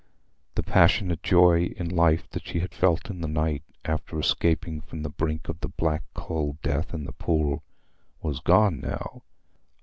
The passionate joy in life she had felt in the night, after escaping from the brink of the black cold death in the pool, was gone now.